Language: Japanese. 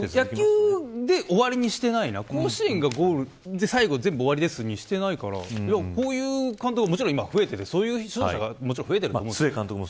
野球で終わりにしていないの甲子園がゴール最後全部終わりですにしていないからこういう監督が今、増えていてそういう指導者が増えている。